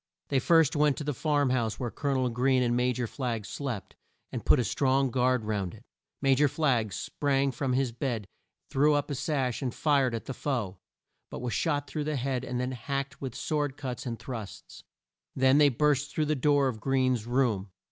They first went to the farm house where Col o nel Greene and Ma jor Flagg slept, and put a strong guard round it. Ma jor Flagg sprang from his bed, threw up the sash, and fired at the foe, but was shot through the head and then hacked with sword cuts and thrusts. They then burst through the door of Greene's room.